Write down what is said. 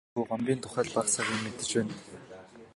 Бид гагцхүү Гомбын тухай л бага сага юм мэдэж байна.